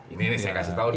ini saya kasih tau dia